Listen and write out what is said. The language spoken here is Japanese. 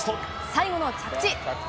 最後の着地。